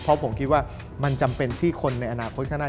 เพราะผมคิดว่ามันจำเป็นที่คนในอนาคตข้างหน้า